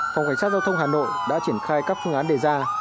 phòng cảnh sát giao thông hà nội đã triển khai các phương án đề ra